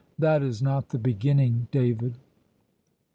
That is not the beginning, David."